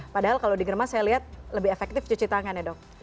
padahal kalau di germas saya lihat lebih efektif cuci tangan ya dok